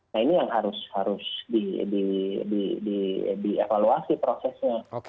nah ini yang harus dievaluasi prosesnya